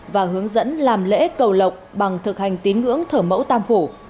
và hướng dẫn làm lễ cầu lộc bằng thực hành tín ngưỡng thở mẫu tam phủ